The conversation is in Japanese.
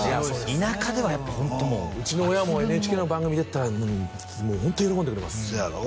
田舎ではホントもううちの親もＮＨＫの番組だったらもうホント喜んでくれますそうやろ？